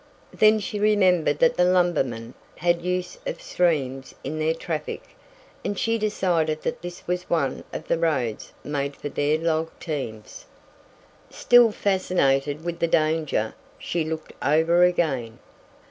Then she remembered that the lumbermen had use of streams in their traffic, and she decided that this was one of the roads made for their log teams. Still fascinated with the danger, she looked over again.